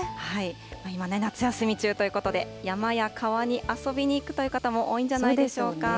今、夏休み中ということで、山や川に遊びに行くという方も多いんじゃないでしょうか。